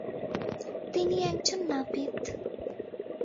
তিনি একজন নাপিত।